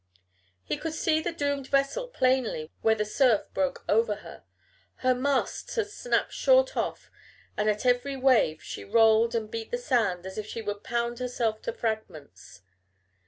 He could see the doomed vessel plainly where the surf broke over her. Her masts had snapped short off and at every wave she rolled and beat the sand as if she would pound herself to fragments.